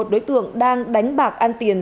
một mươi một đối tượng đang đánh bạc ăn tiền